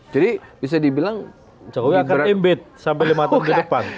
jadi bisa dibilang jokowi akan imbed sampai lima tahun ke depan